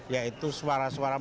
ya itu suara suara masyarakat